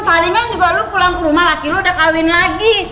palingan juga lo pulang ke rumah laki lo udah kawin lagi